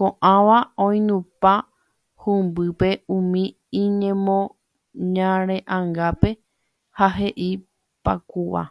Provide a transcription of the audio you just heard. ko'ãva oinupã humbýpe umi iñemoñare'angápe ha he'i pákua